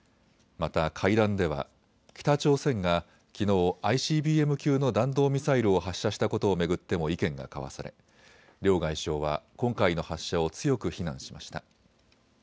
また会談では北朝鮮がきのうＩＣＢＭ級の弾道ミサイルを発射したことを巡っても意見が交わされ、両外相は今回の発射を強く非難しました。